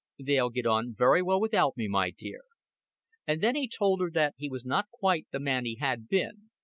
"They'll get on very well without me, my dear." And then he told her that he was not quite the man he had been.